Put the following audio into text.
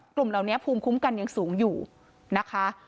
กลุ่มเหล่านี้ภูมิคุ้มกันยังสูงอยู่นะคะ